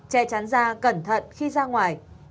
che chắn da cẩn thận khi ra ngoài